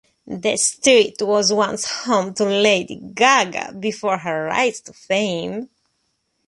The street was once home to Lady Gaga before her rise to fame.